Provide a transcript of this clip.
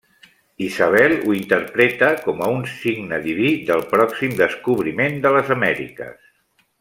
Isabel ho interpreta com a un signe diví del pròxim descobriment de les Amèriques.